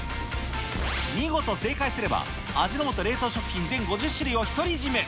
見事正解すれば、味の素冷凍食品全５０種類を独り占め。